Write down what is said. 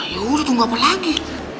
ya udah tunggu apa lagi